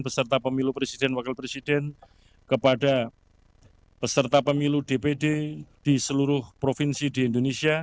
beserta pemilu presiden wakil presiden kepada beserta pemilu dpd